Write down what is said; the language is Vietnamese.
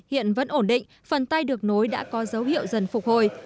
hiện vẫn ổn định phần tay được nối đã có dấu hiệu dần phục hồi